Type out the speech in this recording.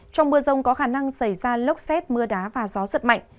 trong mưa rông có khả năng xảy ra lốc xét mưa đá và gió giật mạnh